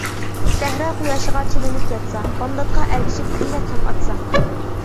سەھرا قۇياشىغا چىلىنىپ ياتسا، بامداتقا ئەگىشىپ كۈندە تاڭ ئاتسا.